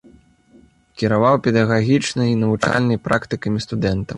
Кіраваў педагагічнай і навучальнай практыкамі студэнтаў.